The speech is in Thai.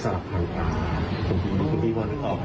จะเป็นลักษณะการเทคนิคการขับตาตอนนั้นครับ